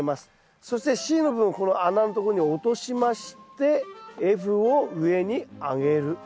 そしてＣの部分をこの穴のとこに落としましてＦを上に上げる。